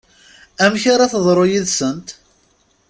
Amek ara teḍru yid-sent?